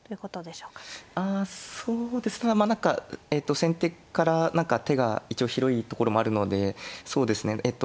あそうですねまあ何か先手から手が広いところもあるのでそうですねえっと